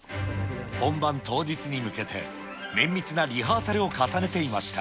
本番当日に向けて、綿密なリハーサルを重ねていました。